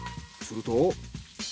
すると。